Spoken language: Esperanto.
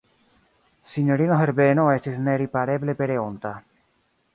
Sinjorino Herbeno estis neripareble pereonta.